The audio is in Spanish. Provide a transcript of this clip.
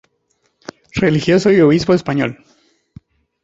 Religioso y obispo español.